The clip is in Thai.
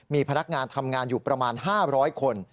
มีพนักงานทำงานอยู่ประมาณ๕๐๐คน